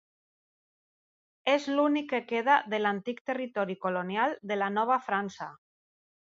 És l'únic que queda de l'antic territori colonial de la Nova França.